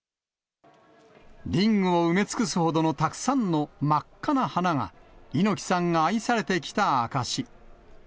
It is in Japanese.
リングを埋め尽くすほどのたくさんの真っ赤な花が、猪木さんが愛されてきた証し。